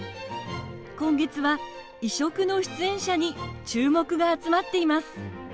今月は、異色の出演者に注目が集まっています。